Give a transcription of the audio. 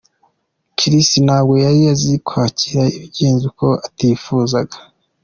Chrissie ntabwo yari azi kwakira ibigenze uko atifuzaga.